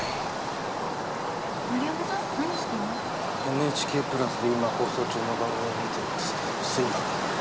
ＮＨＫプラスで今放送中の番組を見てるんですけど睡魔が。